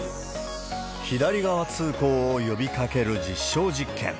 左側通行を呼びかける実証実験。